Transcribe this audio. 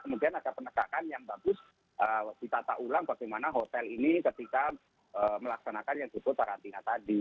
kemudian ada penegakan yang bagus ditata ulang bagaimana hotel ini ketika melaksanakan yang disebut karantina tadi